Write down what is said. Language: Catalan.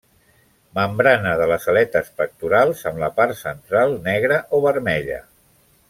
Membrana de les aletes pectorals amb la part central negra o vermella.